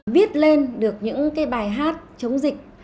viết lên được những bài hát chống dịch